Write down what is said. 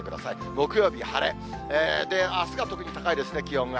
木曜日晴れ、あすが特に高いですね、気温が。